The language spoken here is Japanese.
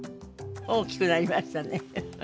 大きくなりましたね。